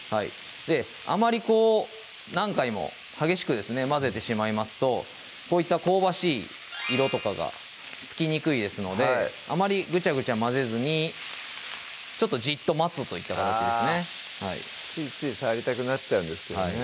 あまり何回も激しくですね混ぜてしまいますとこういった香ばしい色とかがつきにくいですのであまりグチャグチャ混ぜずにちょっとじっと待つといった形ですねついつい触りたくなっちゃうんですけどね